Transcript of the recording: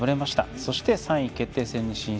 そして３位決定戦に進出。